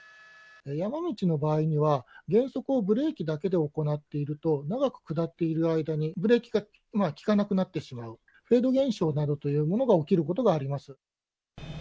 山道の場合には減速をブレーキだけで行っていると、長く下っている間にブレーキが利かなくなってしまう、フェード現象などというものが起きることがあります。